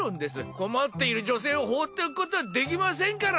困っている女性を放っておくことはできませんから。